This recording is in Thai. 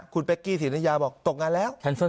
คุณเป๊กกี้ศิริยาบอกตกงานแล้ว